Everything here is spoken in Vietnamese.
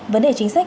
vấn đề chính sách